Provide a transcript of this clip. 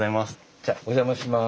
じゃあお邪魔します。